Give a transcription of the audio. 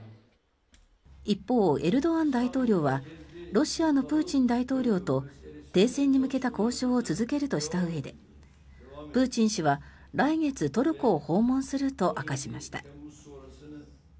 一方、エルドアン大統領はロシアのプーチン大統領と停戦に向けた交渉を続けるとしたうえでプーチン氏は来月、トルコを訪問すると明かしました。